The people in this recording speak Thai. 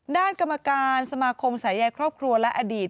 กรรมการสมาคมสายใยครอบครัวและอดีต